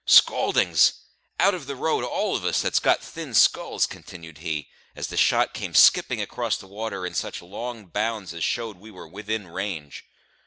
"Scaldings! out of the road all of us that's got thin skulls," continued he, as the shot came skipping across the water in such long bounds as showed we were within range.